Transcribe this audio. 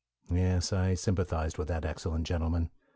Yes, I sympathized with that excellent gentleman.